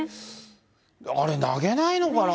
あれ、投げないのかな？